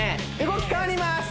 動き変わります